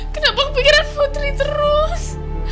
kenapa kepikiran putri terus